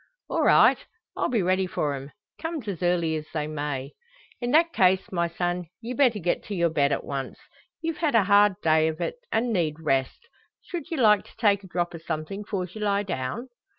"All right! I'll be ready for 'em, come's as early as they may." "In that case, my son; ye better get to your bed at once. Ye've had a hard day o' it, and need rest. Should ye like take a drop o' somethin' 'fores you lie down?"